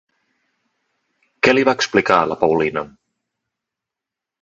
Què li va explicar la Paulina?